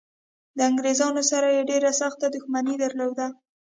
د انګریزانو سره یې ډېره سخته دښمني درلوده.